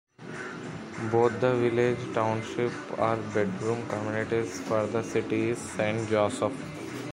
Both the village and township are bedroom communities for the city of Saint Joseph.